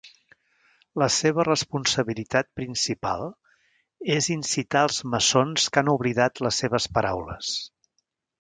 La seva responsabilitat principal és incitar els maçons que han oblidat les seves paraules.